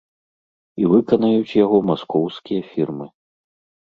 І выканаюць яго маскоўскія фірмы.